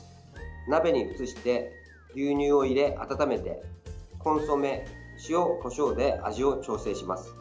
鍋に移して牛乳を入れ、温めてコンソメ、塩、こしょうで味を調整します。